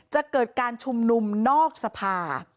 จะเกิดการชุมนุมนอกสภา